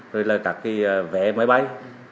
rồi là các cái vé máy bay